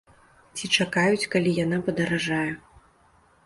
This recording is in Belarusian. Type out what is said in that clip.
Ці чакаюць, калі яна падаражэе.